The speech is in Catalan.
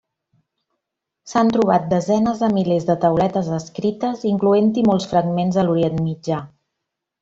S'han trobat desenes de milers de tauletes escrites, incloent-hi molts fragments a l'Orient Mitjà.